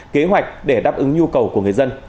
kế hoạch để đáp ứng nhu cầu của người dân